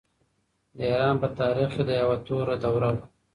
د ایران په تاریخ کې دا یوه توره دوره وه.